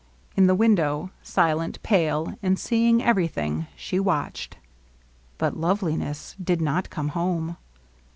In the window, silent, pale, and seeing everything, she watched. But LoveUness did not come home.